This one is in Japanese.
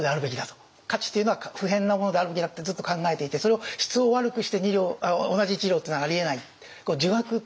価値っていうのは不変なものであるべきだってずっと考えていてそれを質を悪くして同じ１両っていうのはありえない。